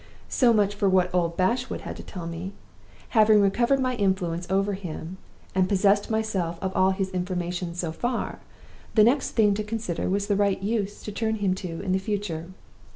"So much for what old Bashwood had to tell me. Having recovered my influence over him, and possessed myself of all his information so far, the next thing to consider was the right use to turn him to in the future.